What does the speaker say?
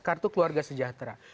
kartu keluarga sejahtera